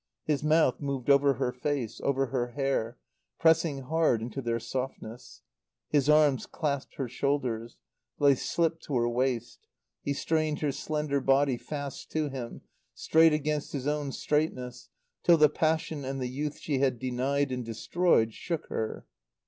His mouth moved over her face, over her hair, pressing hard into their softness; his arms clasped her shoulders; they slipped to her waist; he strained her slender body fast to him, straight against his own straightness, till the passion and the youth she had denied and destroyed shook her.